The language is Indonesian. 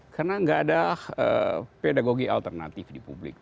karena tidak ada pedagogi alternatif di publik